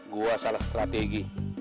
gua salah strategi